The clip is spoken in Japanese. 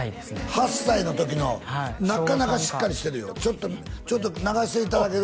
８歳の時のなかなかしっかりしてるよちょっと流していただける？